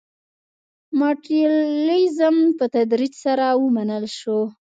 ماټریالیزم په تدریج سره ومنل شو.